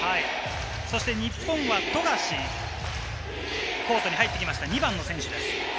日本は富樫、コートに入ってきました、２番の選手です。